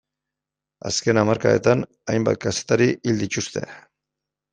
Azken hamarkadetan hainbat kazetari hil dituzte.